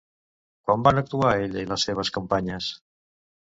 Com van actuar ella i les seves companyes?